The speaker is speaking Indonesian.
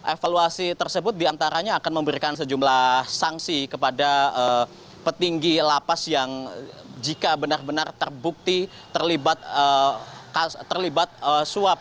evaluasi tersebut diantaranya akan memberikan sejumlah sanksi kepada petinggi lapas yang jika benar benar terbukti terlibat suap